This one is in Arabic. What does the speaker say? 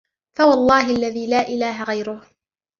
فَوَاللهِ الَّذِي لاَ إِلَهَ غَيْرُهُ،